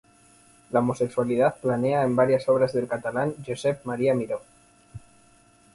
La homosexualidad planea en varias obras del catalán Josep Maria Miró.